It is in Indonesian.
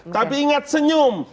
tapi ingat senyum